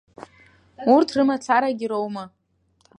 Урҭ рымацарагьы роума?